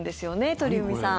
鳥海さん。